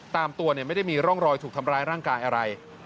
ตามตัวไม่ได้มีร่องรอยถูกทำร้ายร่างกายอะไร